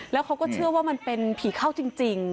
แล้วเขาก็เชื่อว่ามันเป็นผีเข้าจริง